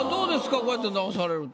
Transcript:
こうやって直されると。